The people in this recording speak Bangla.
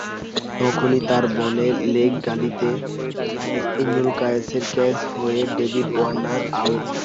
তখনই তাঁর বলে লেগ গালিতে ইমরুল কায়েসের ক্যাচ হয়ে ডেভিড ওয়ার্নার আউট।